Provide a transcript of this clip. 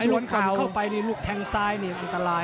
ลูกเข้าไปลูกแทงซ้ายนี่อันตราย